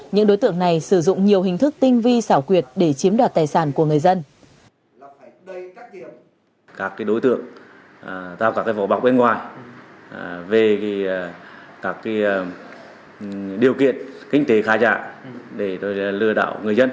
những đối tượng này sử dụng nhiều hình thức tinh vi xảo quyệt để chiếm đoạt tài sản của người dân